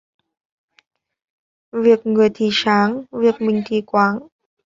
Việc người thì sáng, việc mình thì quáng